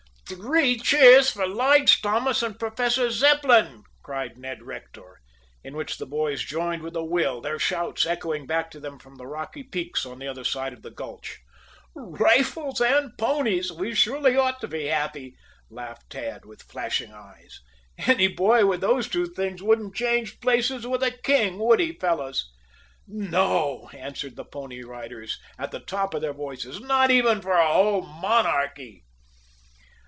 "Three cheers for Lige Thomas and Professor Zepplin," cried Ned Rector, in which the boys joined with a will, their shouts echoing back to them from the rocky peaks on the other side of the gulch. "Rifles and ponies! We surely ought to be happy!" laughed Tad, with flashing eyes. "Any boy with those two things wouldn't change places with a king, would he, fellows?" "No!" answered the Pony Riders at the top of their voices. "Not even for a whole monarchy!"